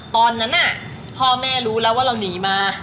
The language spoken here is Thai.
ตอนนั้นพ่อแม่รู้แล้วว่าเราหนีมา